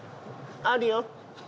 あるよ。